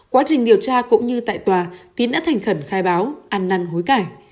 quá trình điều tra cũng như tại tòa tín đã thành khẩn khai báo ăn năn hối cải